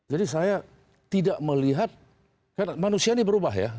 jadi saya tidak melihat karena manusia ini berubah ya